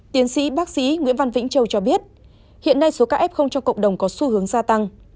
tiến sĩ bác sĩ nguyễn văn vĩnh châu cho biết hiện nay số ca ép không cho cộng đồng có xu hướng gia tăng